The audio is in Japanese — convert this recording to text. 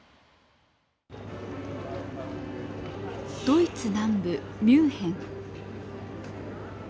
ドイツ南部ミュンヘン。